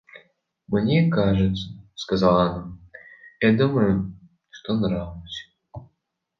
– Мне кажется, – сказала она, – я думаю, что нравлюсь.